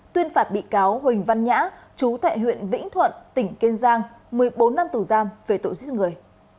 tuyên phạt bị cáo huỳnh văn nhã chú tại huyện vĩnh thuận tỉnh kiên giang một mươi bốn năm tù giam về tội giết người